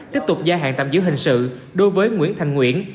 tiếp tục gia hạn tạm giữ hình sự đối với nguyễn thành nguyễn